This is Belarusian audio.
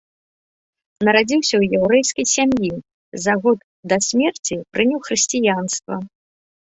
Нарадзіўся ў яўрэйскай сям'і, за год да смерці прыняў хрысціянства.